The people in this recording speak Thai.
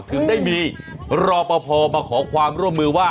ถึงได้มีรอปภมาขอความร่วมมือว่า